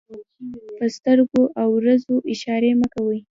په سترګو او وريځو اشارې مه کوئ!